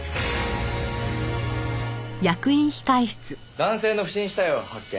男性の不審死体を発見。